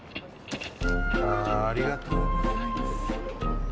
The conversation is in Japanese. ありがとうございます。